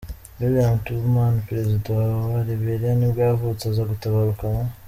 William Tubman, perezida wa wa Liberia nibwo yavutse, aza gutabaruka mu .